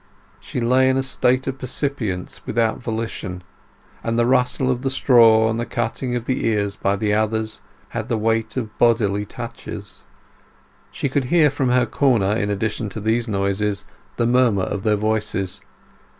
She lay in a state of percipience without volition, and the rustle of the straw and the cutting of the ears by the others had the weight of bodily touches. She could hear from her corner, in addition to these noises, the murmur of their voices.